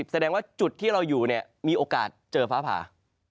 แสดงว่าจุดที่เราอยู่เนี่ยมีโอกาสเจอฟ้าผ่า